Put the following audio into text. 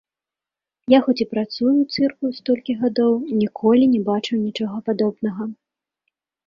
Я, хоць і працую ў цырку столькі гадоў, ніколі не бачыў нічога падобнага.